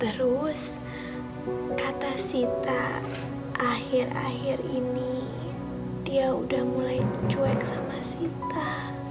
terus kata sita akhir akhir ini dia udah mulai cuek sama sita